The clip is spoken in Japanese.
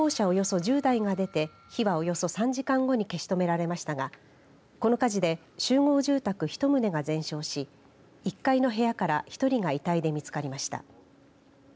およそ１０台が出て火はおよそ３時間後に消し止められましたがこの火事で集合住宅１棟が全焼し１階の部屋から１人が遺体で見つかりました。